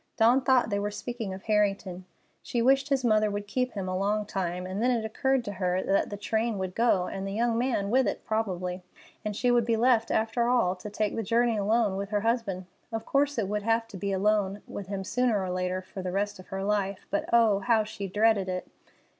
Dawn thought they were speaking of Harrington. She wished his mother would keep him a long time, and then it occurred to her that the train would go, and the young man with it probably, and she would be left, after all, to take the journey alone with her husband. Of course it would have to be alone with him sooner or later, for the rest of her life, but oh, how she dreaded it!